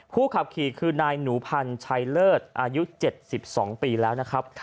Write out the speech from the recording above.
ขับขี่คือนายหนูพันธ์ชัยเลิศอายุ๗๒ปีแล้วนะครับ